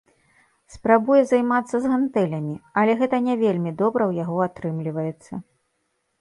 Спрабуе займацца з гантэлямі, але гэта не вельмі добра ў яго атрымліваецца.